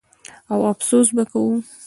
او افسوس به کوو.